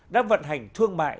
đã vận hành thương mại